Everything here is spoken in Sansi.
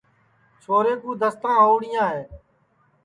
چھورے کُو دستاں ہؤڑیاں ہے